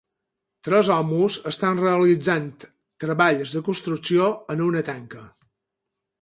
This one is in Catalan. Tres homes estan realitzant treballs de construcció en una tanca.